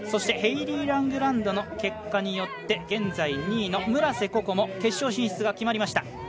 ヘイリー・ラングランドの結果によって現在２位の村瀬心椛決勝進出が決まりました。